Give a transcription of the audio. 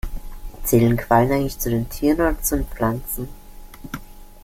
Zählen Quallen eigentlich zu den Tieren oder zu den Pflanzen?